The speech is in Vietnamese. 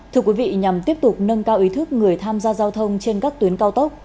thưa quý vị nhằm tiếp tục nâng cao ý thức người tham gia giao thông trên các tuyến cao tốc